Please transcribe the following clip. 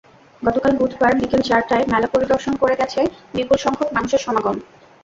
গতকাল বুধবার বিকেল চারটায় মেলা পরিদর্শন করে দেখা গেছে, বিপুলসংখ্যক মানুষের সমাগম।